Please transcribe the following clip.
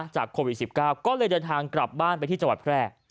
โควิด๑๙ก็เลยเดินทางกลับบ้านไปที่จังหวัดแพร่